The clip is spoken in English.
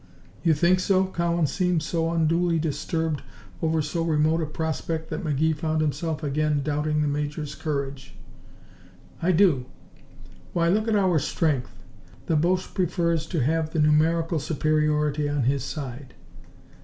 "You think so?" Cowan seemed so unduly disturbed over so remote a prospect that McGee found himself again doubting the Major's courage. "I do. Why, look at our strength! The Boche prefers to have the numerical superiority on his side."